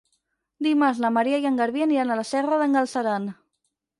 Dimarts na Maria i en Garbí aniran a la Serra d'en Galceran.